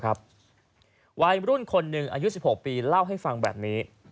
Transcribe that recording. วัยรุ่นคนหนึ่งอายุ๑๖ปีเล่าให้ฟังแบบนี้